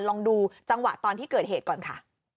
ลองดูจังหวะตอนที่เกิดเหตุก่อนค่ะ